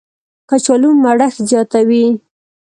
کچالو مړښت زیاتوي